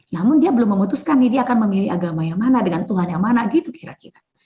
namun dia belum memutuskan nih dia akan memilih agama yang mana dengan tuhan yang mana gitu kira kira